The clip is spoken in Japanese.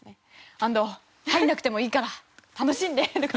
「安藤入らなくてもいいから楽しんで！」とか。